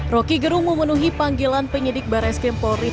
rocky gerung memenuhi panggilan penyidik barai skimpori